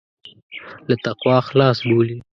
له تقوا خلاص بولي.